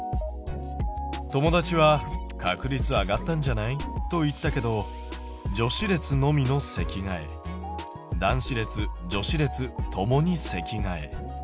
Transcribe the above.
友達は「確率上がったんじゃない？」と言ったけど女子列のみの席替え男子列・女子列共に席替え。